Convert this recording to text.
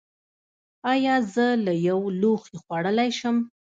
ایا زه له یو لوښي خوړلی شم؟